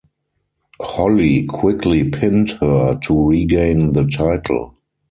Holly quickly pinned her to regain the title.